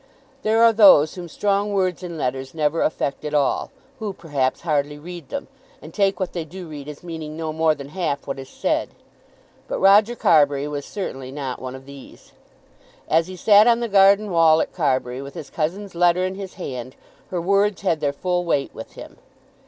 There are those whom strong words in letters never affect at all, who, perhaps, hardly read them, and take what they do read as meaning no more than half what is said. But Roger Carbury was certainly not one of these. As he sat on the garden wall at Carbury, with his cousin's letter in his hand, her words had their full weight with him.